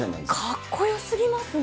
かっこよすぎますね。